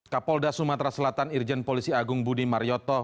kapolda sumatera selatan irjen polisi agung budi marioto